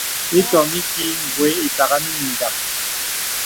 Itɔ̀m iki gwe ìtàghà nə mìndàk.